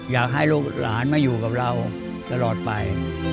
อยากให้ลูกหลานมาอยู่กับเราตลอดไป